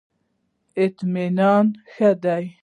اطمینان ښه دی.